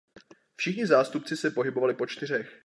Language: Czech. Všichni zástupci se pohybovali po čtyřech.